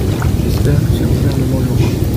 J’espère que ce gouvernement l’aura.